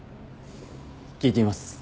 聞いてみます。